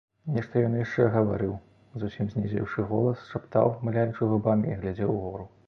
Нешта ён яшчэ гаварыў, зусім знізіўшы голас, шаптаў, мыляючы губамі, і глядзеў угору.